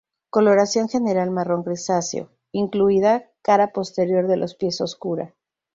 Coloración general marrón grisáceo, incluida cara posterior de los pies oscura.